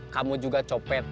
kamu juga copet